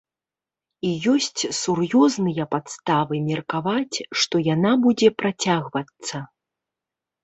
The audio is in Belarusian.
І ёсць сур'ёзныя падставы меркаваць, што яна будзе працягвацца.